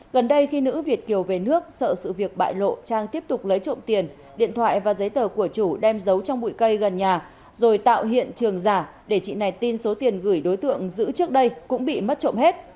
gần đây khi nữ việt kiều về nước sợ sự việc bại lộ trang tiếp tục lấy trộm tiền điện thoại và giấy tờ của chủ đem giấu trong bụi cây gần nhà rồi tạo hiện trường giả để chị này tin số tiền gửi đối tượng giữ trước đây cũng bị mất trộm hết